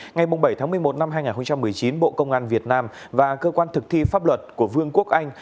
ngày bảy một mươi một năm hai nghìn một mươi chín bộ công an việt nam và cơ quan thực thi pháp luật của vương quốc anh